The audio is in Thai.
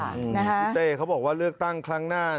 พี่เต้เขาบอกว่าเลือกตั้งครั้งหน้า